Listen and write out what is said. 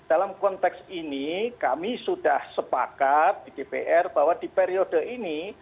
dalam konteks ini kami sudah sepakat di dpr bahwa di periode ini